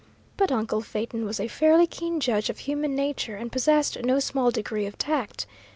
But uncle Phaeton was a fairly keen judge of human nature, and possessed no small degree of tact.